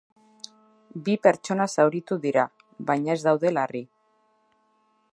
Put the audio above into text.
Bi pertsona zauritu dira, baina ez daude larri.